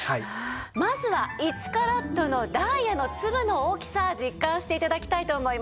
まずは１カラットのダイヤの粒の大きさ実感して頂きたいと思います。